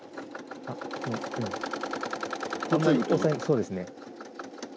そうですね。